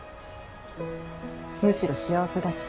むしろ幸せだし。